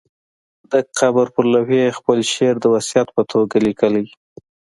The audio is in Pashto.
د قبر پر لوحې یې خپل شعر د وصیت په توګه لیکلی.